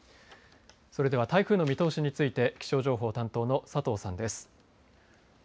それでは台風の見通しについて気象情報担当の佐藤さんです。